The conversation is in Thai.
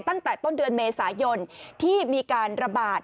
ตั้งแต่ต้นเดือนเมษายนที่มีการระบาด